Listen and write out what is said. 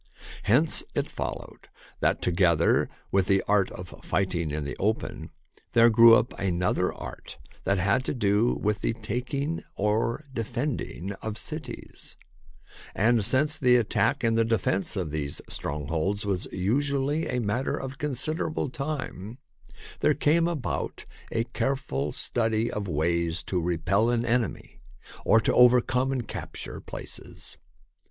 Hence it followed that, together with the art of fighting in the open, there grew up another art that had to do with the taking or defending of cities ; and since the attack and the defence of these THE BOOK OF FAMOUS SIEGES strongholds was usually a matter of considerable time, there came about a careful study of ways to repel an enemy or to overcome and capture places.